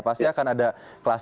pasti akan ada kelas